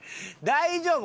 大丈夫。